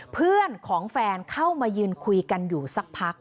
เพื่อนของแฟนเข้ามายืนคุยกันอยู่สักพัก